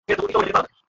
কিন্তু এটা কী?